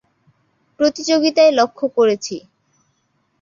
প্রতিযোগিতায় লক্ষ্য করেছি।